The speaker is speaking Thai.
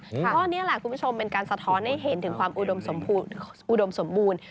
ก็นี่แหละคุณผู้ชมเป็นการสะท้อนให้เห็นถึงความอุดมสมบูรณ์